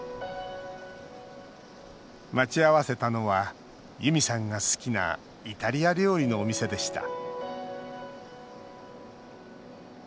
待ち合わせたのはユミさんが好きなイタリア料理のお店でした。